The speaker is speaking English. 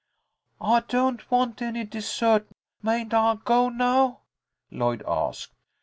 "I don't want any dessert. Mayn't I go now?" Lloyd asked.